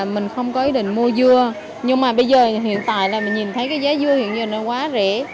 mình không có ý định mua dưa nhưng mà bây giờ hiện tại là mình nhìn thấy cái giá dưa hiện giờ nó quá rẻ